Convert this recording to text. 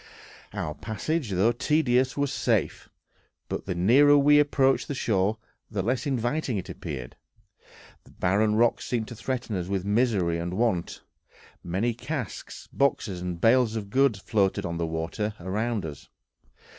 Our passage, though tedious, was safe; but the nearer we approached the shore the less inviting it appeared; the barren rocks seemed to threaten us with misery and want. Many casks, boxes, and bales of goods floated on the water around us.